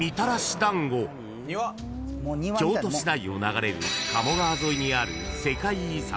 ［京都市内を流れる鴨川沿いにある］